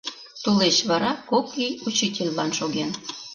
Тулеч вара кок ий учительлан шоген.